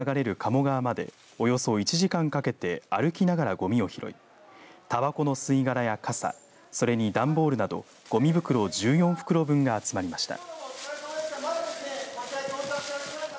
その後、参加者は市内を流れる鴨川までおよそ１時間かけて歩きながらゴミを拾いタバコの吸い殻や傘それに、段ボールなどゴミ袋１４袋分が集まりました。